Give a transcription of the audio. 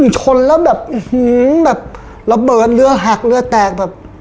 ชนแล้วแบบระเบิดเลือดหักเลือดแตก